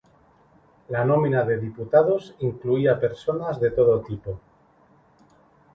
La nómina de diputados incluía personas de todo tipo.